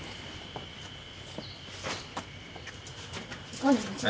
こんにちは。